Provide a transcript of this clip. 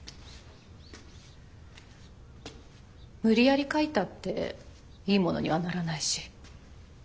無理やり描いたっていいものにはならないし。